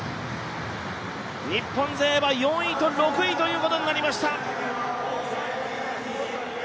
日本勢は４位と６位ということになりました。